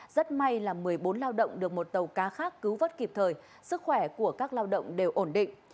rất may là một mươi bốn lao động được một tàu cá khác cứu vớt kịp thời sức khỏe của các lao động đều ổn định